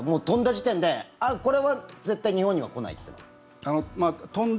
飛んだ時点でこれは絶対、日本には来ないと。